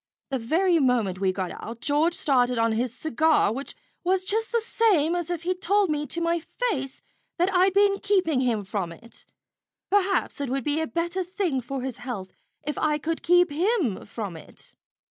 The very moment we got out, George started on his cigar, which was just the same as if he'd told me to my face that I'd been keeping him from it. Perhaps it would be a better thing for his health if I could keep him from it."